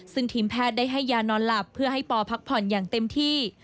ซึ่งทีมแพทย์ได้ให้ยานอนหลับเพื่อให้ปอพักผ่อนอย่างเต็มที่